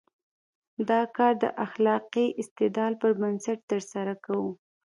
دا کار د اخلاقي استدلال پر بنسټ ترسره کوو.